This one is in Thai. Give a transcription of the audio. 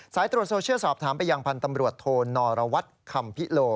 สายตรวจโซเชียลสอบถามไปยังพันธ์ตำรวจโทนรวัตรคำพิโล